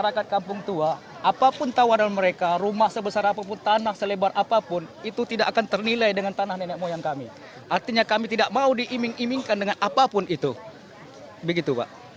mereka menyimpulkan bahwa senyapkan ini adalah masyarakat kampung tua apapun tawaran mereka rumah sebesar apapun tanah selebar apapun itu tidak akan ternilai dengan tanah nenek moyang kami artinya kami tidak mau diiming imingkan dengan apapun itu begitu pak